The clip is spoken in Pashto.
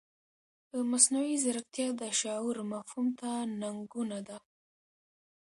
مصنوعي ځیرکتیا د شعور مفهوم ته ننګونه ده.